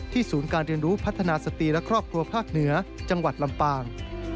ศูนย์การเรียนรู้พัฒนาสตรีและครอบครัวภาคเหนือจังหวัดลำปาง